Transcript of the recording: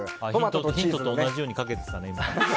ヒントと同じようにかけてたね。